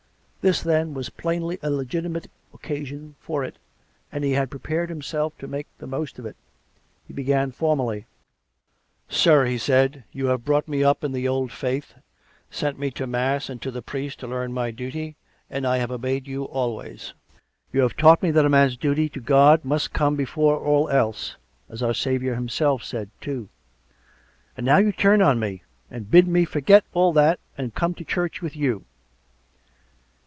This, then, was plainly a legitimate occasion for it, and he had prepared himself to make the most of it. He began formally: " Sir," he said, " you have brought me up in the Old 44 COME RACK! COME ROPE! Faith, sent me to mass, and to the priest to learn my duty, and I have obeyed you always. You have taught me that a man's duty to God must come before all else — as our Saviour Himself said, too. And now you turn on me, and bid me forget all that, and come to church with you.